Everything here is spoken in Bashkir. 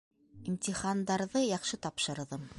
Имтихандарҙы яҡшы тапшырҙым.